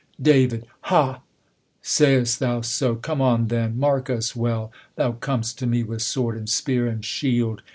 Dav, Ha! says' t thou so? Come on then! Mark us well. Thou com'st to me with sword, and spear, and shield